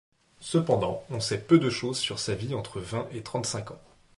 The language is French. Cependant, on sait peu de choses sur sa vie entre vingt et trente-cinq ans.